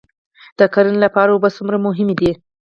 د کرنې لپاره اوبه څومره مهمې دي؟